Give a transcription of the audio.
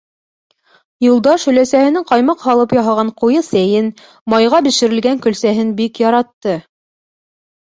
Юлдаш өләсәһенең ҡаймаҡ һалып яһаған ҡуйы сәйен, майға бешерелгән кәлсәһен бик яратты.